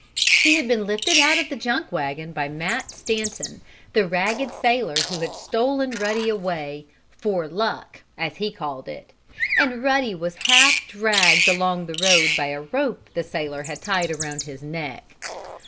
He had been lifted out of the junk wagon by Matt Stanton, the ragged sailor who had stolen Ruddy away "for luck," as he called it. And Ruddy was half dragged along the road by a rope the sailor had tied around his neck.